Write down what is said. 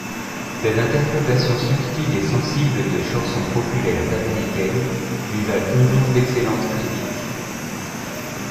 Ses interprétations subtiles et sensibles de chanson populaires américaines lui valent toujours d’excellentes critiques.